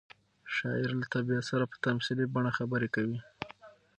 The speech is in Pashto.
شاعر له طبیعت سره په تمثیلي بڼه خبرې کوي.